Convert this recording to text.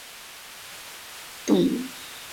和平南海溪蟹为溪蟹科南海溪蟹属的动物。